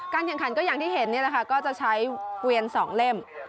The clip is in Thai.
แข่งขันก็อย่างที่เห็นนี่แหละค่ะก็จะใช้เกวียน๒เล่ม